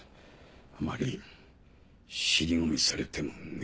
あまり尻込みされてもね。